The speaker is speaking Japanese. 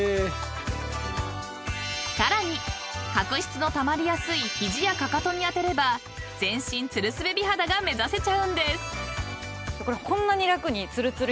［さらに角質のたまりやすい肘やかかとに当てれば全身つるすべ美肌が目指せちゃうんです］